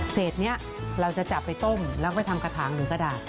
เสร็จนี้เราจะจับไปต้มแล้วก็ทำกระถางหรือกระดาษ